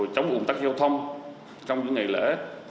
chống ủn tắc giao thông trong những ngày lễ